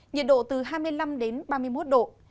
nhiệt độ từ hai mươi năm đến ba mươi một độ